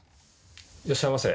「いらっしゃいませ！」。